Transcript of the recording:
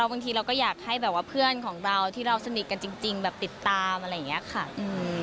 บางทีเราก็อยากให้แบบว่าเพื่อนของเราที่เราสนิทกันจริงแบบติดตามอะไรอย่างนี้ค่ะ